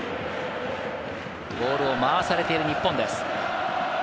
ボールを回されている日本です。